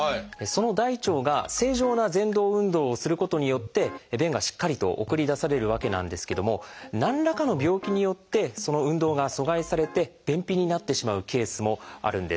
その大腸が正常なぜん動運動をすることによって便がしっかりと送り出されるわけなんですけども何らかの病気によってその運動が阻害されて便秘になってしまうケースもあるんです。